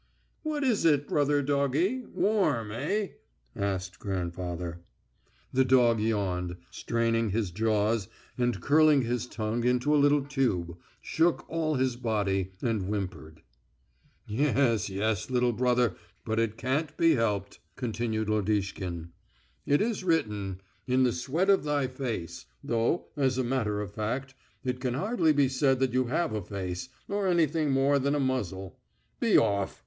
"What is it, brother doggie? Warm, eh?" asked grandfather. The dog yawned, straining his jaws and curling his tongue into a little tube, shook all his body, and whimpered. "Yes, yes, little brother, but it can't be helped," continued Lodishkin. "It is written, 'In the sweat of thy face,' though, as a matter of fact, it can hardly be said that you have a face, or anything more than a muzzle.... Be off!